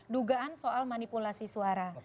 dugaan soal manipulasi suara